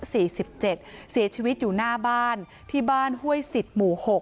เสียชีวิตอยู่หน้าบ้านที่บ้านห้วยสิทธิหมู่๖